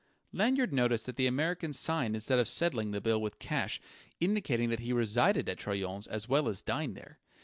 Lanyard noticed that the American signed instead of settling the bill with cash, indicating that he resided at Troyon's as well as dined there.